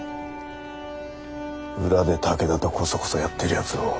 裏で武田とこそこそやってるやつを。